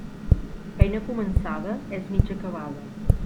Feina començada, és mig acabada.